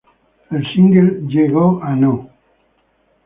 El single llegó a no.